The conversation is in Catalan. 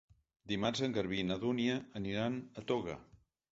Dimarts en Garbí i na Dúnia aniran a Toga.